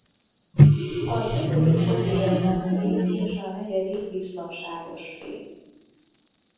Az ötödik Sophie Germain-prím és a negyedik biztonságos prím.